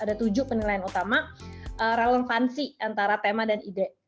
ada tujuh penilaian utama relevansi antara tema dan ide